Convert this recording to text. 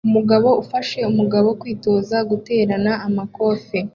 Umugabo ufasha umugore kwitoza guterana amakofe